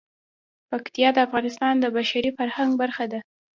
پکتیا د افغانستان د بشري فرهنګ برخه ده.